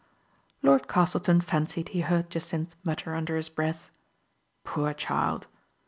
Lord Castleton fancied he heard Jacynth mut ter under his breath, " Poor child